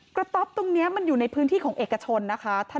ต๊อปตรงนี้มันอยู่ในพื้นที่ของเอกชนนะคะ